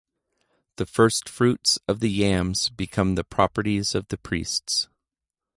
The first-fruits of the yams become the properties of the priests.